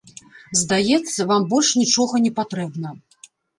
Здаецца, вам больш нічога не патрэбна.